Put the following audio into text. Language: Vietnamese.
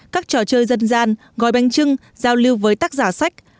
các trò chơi dân gian gói banh chưng giao lưu với tác giả sách